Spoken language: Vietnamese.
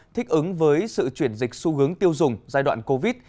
thích ứng với sự chuyển dịch xu hướng tiêu dùng giai đoạn covid